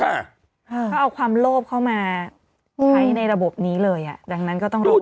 เขาเอาความโลภเข้ามาใช้ในระบบนี้เลยอ่ะดังนั้นก็ต้องรอ